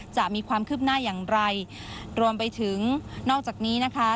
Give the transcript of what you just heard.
จะมีความคืบหน้าอย่างไรรวมไปถึงนอกจากนี้นะคะ